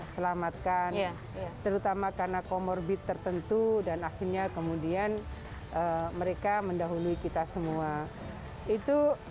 selamatkan terutama karena comorbid tertentu dan akhirnya kemudian mereka mendahului kita semua itu